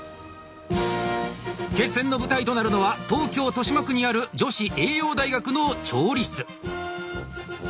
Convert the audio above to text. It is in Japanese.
決戦の舞台となるのは東京豊島区にある女子栄養大学の調理室。